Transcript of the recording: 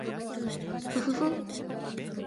ふふふ